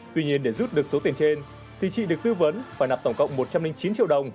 tuy nhiên để rút được số tiền trên thì chị được tư vấn phải nạp tổng cộng một trăm linh chín triệu đồng